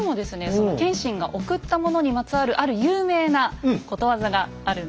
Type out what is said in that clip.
その謙信がおくったものにまつわるある有名なことわざがあるんですが。